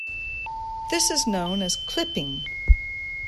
This is known as clipping.